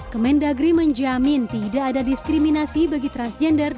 kemendagri menjamin tidak ada diskriminasi bagi transgender